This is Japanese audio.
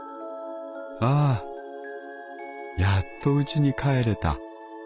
『ハァやっとうちに帰れた』